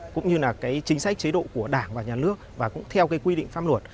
cũng như chính sách chế độ của đảng và nhà nước và cũng theo quy định pháp luật